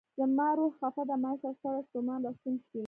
زما روح خفه، مایوس او ستړی ستومان راستون شي.